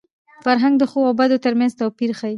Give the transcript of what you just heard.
فرهنګ د ښو او بدو تر منځ توپیر ښيي.